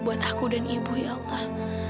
buat aku dan ibu ya allah